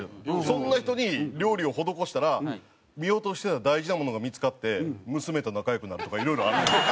そんな人に料理を施したら見落としてた大事なものが見付かって娘と仲良くなるとかいろいろあるんです。